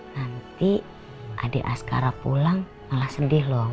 nanti adik askara pulang malah sedih loh